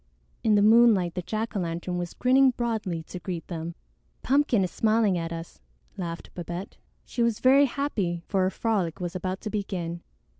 In the moonlight the jack o' lantern was grinning broadly to greet them. "Pumpkin is smiling at us," laughed Babette. She was very happy, for her frolic was about to begin.